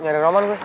nyari roman gue